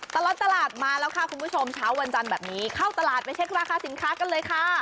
ตลอดตลาดมาแล้วค่ะคุณผู้ชมเช้าวันจันทร์แบบนี้เข้าตลาดไปเช็คราคาสินค้ากันเลยค่ะ